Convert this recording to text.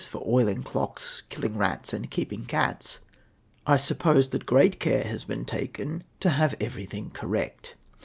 for oiling clocks, killing rats, and keeping cats, I suppose that great care has been taken to have everything correct.